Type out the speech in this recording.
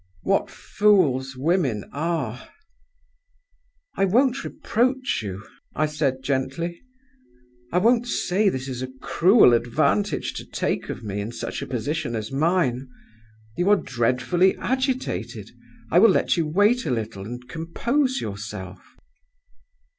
What fools women are! "'I won't reproach you,' I said, gently. 'I won't say this is a cruel advantage to take of me, in such a position as mine. You are dreadfully agitated; I will let you wait a little and compose yourself.